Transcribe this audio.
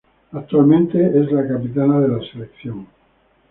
Actualmente es la capitana de la selección.